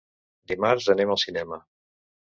Dimarts anem al cinema.